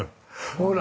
ほら！